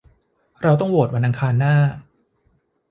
เราต้องโหวตวันอังคารหน้า